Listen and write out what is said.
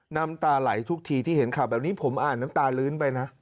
น้ำตาไหลทุกทีที่เห็นข่าวแบบนี้ผมอ่านน้ำตาลื้นไปนะ